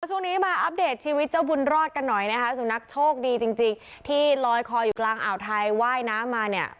ช่วงนี้มาอัปเดตชีวิตเจ้าบุญรอดกันหน่อยนะคะสุนัขโชคดีจริงจริงที่ลอยคออยู่กลางอ่าวไทยว่ายน้ำมาเนี่ย